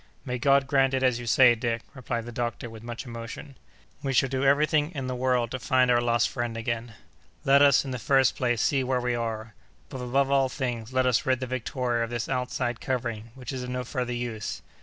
"May God grant it as you say, Dick!" replied the doctor, with much emotion. "We shall do everything in the world to find our lost friend again. Let us, in the first place, see where we are. But, above all things, let us rid the Victoria of this outside covering, which is of no further use.